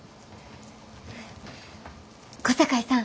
小堺さん。